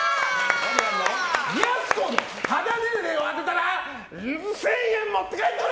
やす子の肌年齢を当てたら１０００円持って帰ってくれ！